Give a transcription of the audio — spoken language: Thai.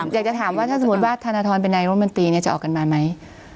อยากจะถามว่าถ้าสมมุติว่าธนทรเป็นนายรมนตรีจะออกกันมาไหม